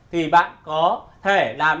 thì bạn có thể làm